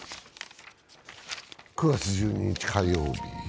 ９月１２日火曜日。